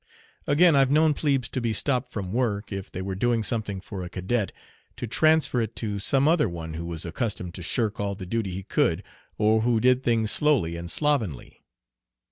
Again, I've known plebes to be stopped from work if they were doing something for a cadet to transfer it to some other one who was accustomed to shirk all the duty he could, or who did things slowly and slovenly.